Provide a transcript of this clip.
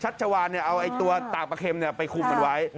ชัตชาวาเอาตากประเข็มไปคุมไว้